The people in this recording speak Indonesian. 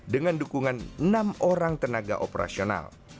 dengan dukungan enam orang tenaga operasional